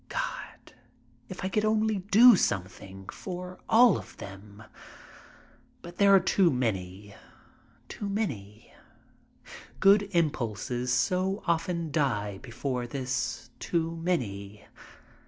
God, if I could only do something for all of them ! But there are too many — too many. Good impulses so often die before this "too many."